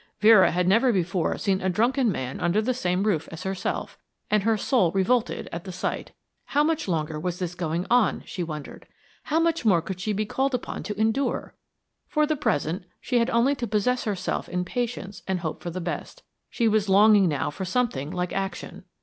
Vera had never before seen a drunken man under the same roof as herself, and her soul revolted at the sight. How much longer was this going on, she wondered? How much more would she be called upon to endure? For the present, she had only to possess herself in patience and hope for the best. She was longing now for something like action.